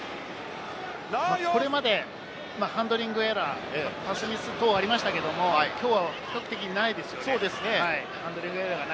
これまでハンドリングエラー、パスミス等ありましたけれども、きょうは比較的ないですよね。